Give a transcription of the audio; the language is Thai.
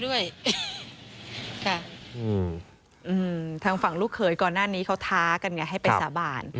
ด้วยค่ะทางฝั่งลูกเขยก่อนหน้านี้เขาท้ากันไงให้ไปสาบาน